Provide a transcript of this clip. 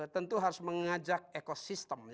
tentu harus mengajak ekosistem